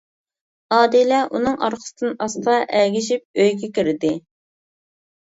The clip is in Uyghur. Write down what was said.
ئادىلە ئۇنىڭ ئارقىسىدىن ئاستا ئەگىشىپ ئۆيگە كىردى.